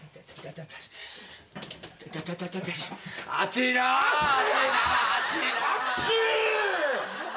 熱いなあ！